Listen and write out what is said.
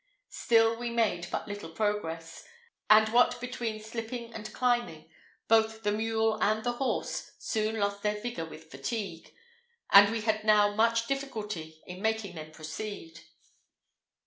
Still we made but little progress, and, what between slipping and climbing, both the mule and the horse soon lost their vigour with fatigue, and we had now much difficulty in making them proceed.